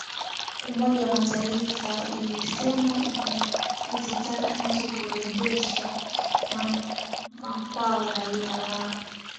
Umoja wa Mataifa ilisema ikizitaka nchi kuwarejesha makwao raia wao.